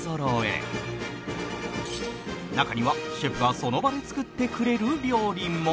中にはシェフがその場で作ってくれる料理も